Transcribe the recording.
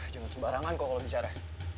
jangan sembarangan kau kalau bicara